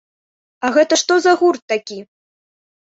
А гэта што за гурт такі?